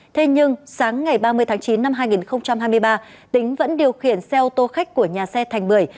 thế nhưng sáng ngày ba mươi tháng chín năm hai nghìn hai mươi ba tính vẫn điều khiển xe ô tô khách của nhà xe thành bưởi